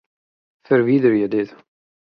Ferwiderje dit.